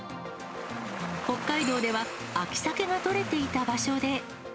北海道では秋サケが取れていた場所で。